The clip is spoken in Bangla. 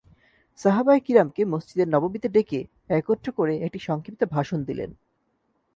সাহাবায়ে কিরামকে মসজিদে নববিতে ডেকে একত্র করে একটি সংক্ষিপ্ত ভাষণ দিলেন।